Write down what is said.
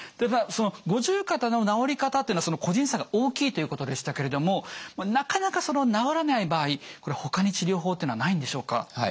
その五十肩の治り方っていうのは個人差が大きいということでしたけれどもなかなか治らない場合これほかに治療法っていうのはないんでしょうか？